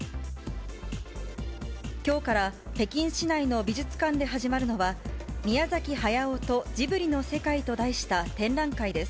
きょうから北京市内の美術館で始まるのは、宮崎駿とジブリの世界と題した展覧会です。